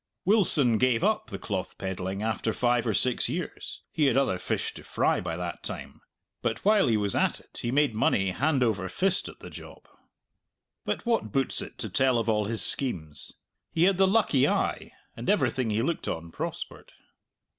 Wilson gave up the cloth peddling after five or six years he had other fish to fry by that time but while he was at it he made money hand over fist at the job. But what boots it to tell of all his schemes? He had the lucky eye, and everything he looked on prospered.